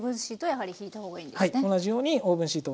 はい。